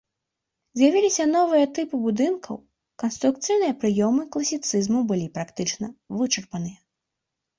З'явіліся новыя тыпы будынкаў, канструкцыйныя прыёмы класіцызму былі практычна вычарпаныя.